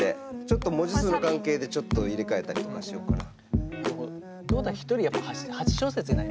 ちょっと文字数の関係でちょっと入れ替えたりとかしようかな。